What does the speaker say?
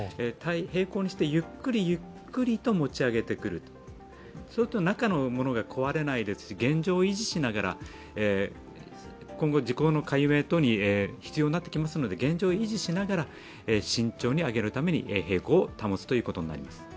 並行にしてゆっくりゆっくりと持ち上げてくると、中のものが壊れないで現状維持しながら今後、事故の解明等に必要になってきますので現状を維持しながら、慎重に上げるために平行を保つことになります。